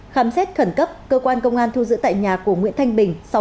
khám xét khẩn cấp cơ quan công an thu giữ tại nhà của nguyễn thanh bình